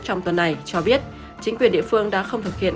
trong tuần này cho biết chính quyền địa phương đã không thực hiện